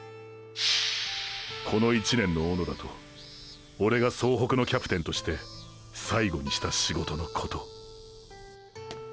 この１年の小野田とオレが総北のキャプテンとして最後にした仕事のことを。